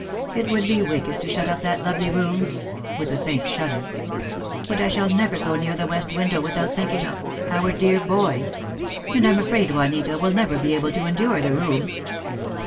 It would be wicked to shut up that lovely room" — with a faint shudder; "but I shall never go near the west window without thinking of — our dear boy. And I'm afraid Juanita will never be able to endure the room."